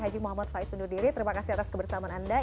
haji muhammad faiz undur diri terima kasih atas kebersamaan anda